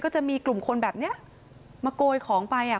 ก็จะมีกลุ่มคนแบบเนี้ยมาโกยของไปอ่ะ